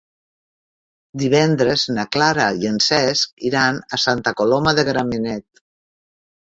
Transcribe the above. Divendres na Clara i en Cesc iran a Santa Coloma de Gramenet.